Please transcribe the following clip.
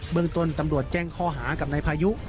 เมืองต้นตำรวจแจ้งข้อหากับนายพายุ